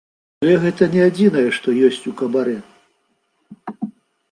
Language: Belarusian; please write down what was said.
Але гэта не адзінае, што ёсць у кабарэ.